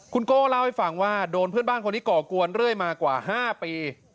คุณโก้เล่าให้ฟังว่าโดนเพื่อนบ้านคนนี้ก่อกวนเรื่อยมากว่า๕ปี